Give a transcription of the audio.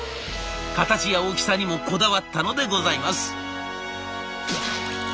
形や大きさにもこだわったのでございます。